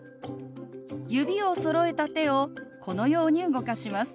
指をそろえた手をこのように動かします。